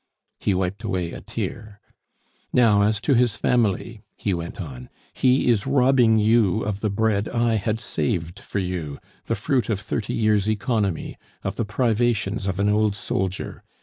He wiped away a tear. "Now, as to his family," he went on. "He is robbing you of the bread I had saved for you, the fruit of thirty years' economy, of the privations of an old soldier!